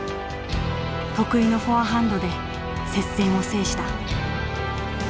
得意のフォアハンドで接戦を制した。